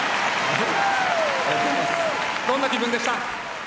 どんな気分でした。